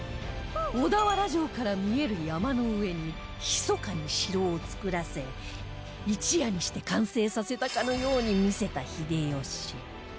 小田原城から見える山の上にひそかに城を作らせ一夜にして完成させたかのように見せた秀吉